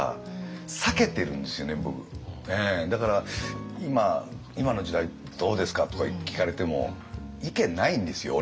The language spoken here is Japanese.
だから今「今の時代どうですか？」とか聞かれても意見ないんですよ